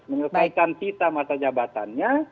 menyelesaikan cita masyarakatnya